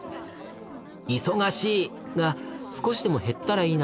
『忙しい』が少しでも減ったらいいなと思う。